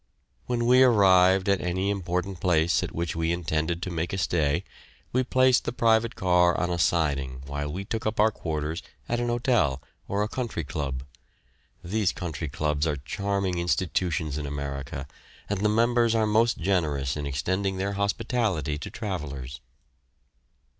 When we arrived at any important place at which we intended to make a stay, we placed the private car on a siding while we took up our quarters at an hotel or a country club. These country clubs are charming institutions in America, and the members are most generous in extending their hospitality to travellers.